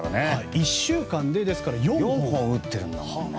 １週間で４本打ってると。